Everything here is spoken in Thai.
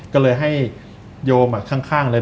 ก็เลยให้โยมข้างเลย